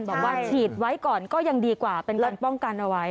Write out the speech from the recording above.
บอกว่าฉีดไว้ก่อนก็ยังดีกว่าเป็นการป้องกันเอาไว้